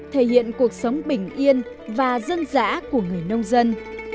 thể hiện cuộc sống bình yên và dân dã của người nông dân